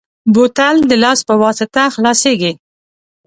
بوتل د لاس په واسطه خلاصېږي.